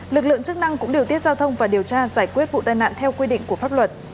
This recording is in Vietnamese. lực lượng chức năng cũng điều tiết giao thông và điều tra giải quyết vụ tai nạn theo quy định của pháp luật